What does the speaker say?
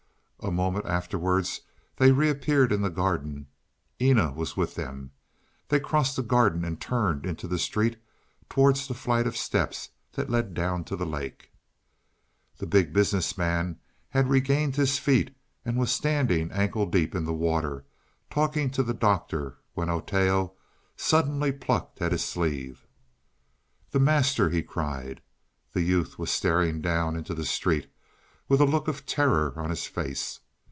A moment afterwards they reappeared in the garden; Eena was with them. They crossed the garden and turned into the street towards the flight of steps that led down to the lake. The Big Business Man had regained his feet and was standing ankle deep in the water talking to the Doctor when Oteo suddenly plucked at his sleeve. "The Master " he cried. The youth was staring down into the street, with a look of terror on his face.